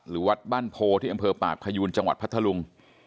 วัดบ้านโพที่อำเภอปากพยูนจังหวัดพัทธลุง